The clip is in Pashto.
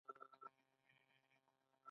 جګر زهرجن مواد پاکوي.